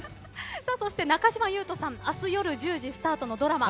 そして中島裕翔さん明日夜１０時スタートのドラマ